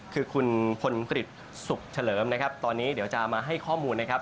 คือคุณพลกฤษสุขเฉลิมนะครับตอนนี้เดี๋ยวจะมาให้ข้อมูลนะครับ